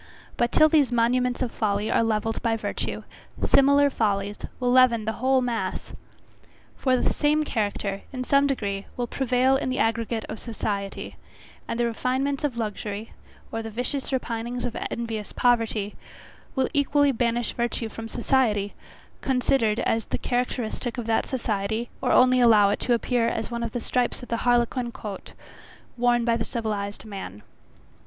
But till these monuments of folly are levelled by virtue, similar follies will leaven the whole mass. For the same character, in some degree, will prevail in the aggregate of society: and the refinements of luxury, or the vicious repinings of envious poverty, will equally banish virtue from society, considered as the characteristic of that society, or only allow it to appear as one of the stripes of the harlequin coat, worn by the civilized man.